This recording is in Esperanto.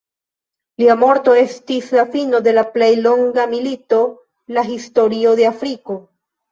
Lia morto estis la fino de la plej longa milito la historio de Afriko.